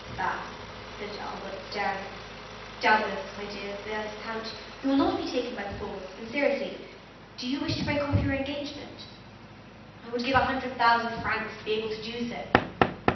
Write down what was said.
"Bah!" said Albert, staring. "Doubtless, my dear viscount, you will not be taken by force; and seriously, do you wish to break off your engagement?" "I would give a hundred thousand francs to be able to do so."